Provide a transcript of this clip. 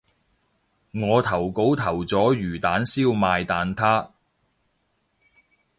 我投稿投咗魚蛋燒賣蛋撻